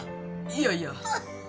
いやいや。